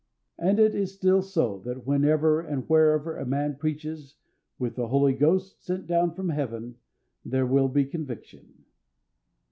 And it is still so that whenever and wherever a man preaches "with the Holy Ghost sent down from Heaven," there will be conviction.